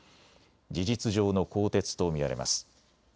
事実上の更迭と見られます。